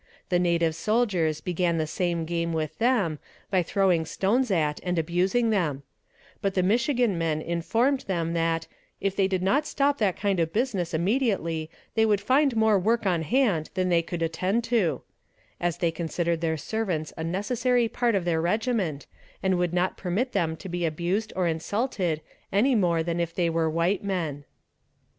The native soldiers began the same game with them, by throwing stones at and abusing them; but the Michigan men informed them that "if they did not stop that kind of business immediately they would find more work on hand than they could attend to," as they considered their servants a necessary part of their regiment, and would not permit them to be abused or insulted any more than if they were white men.